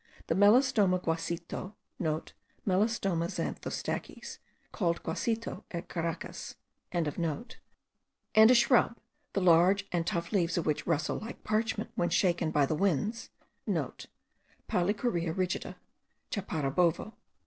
The Melastoma guacito,* (* Melastoma xanthostachys, called guacito at Caracas.) and a shrub, the large and tough leaves of which rustle like parchment* when shaken by the winds, (* Palicourea rigida, chaparro bovo.